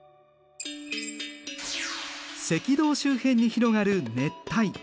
赤道周辺に広がる熱帯。